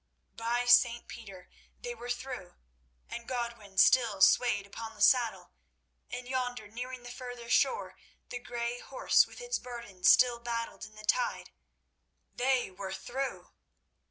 By St. Peter! They were through, and Godwin still swayed upon the saddle, and yonder, nearing the further shore, the grey horse with its burden still battled in the tide. They were through!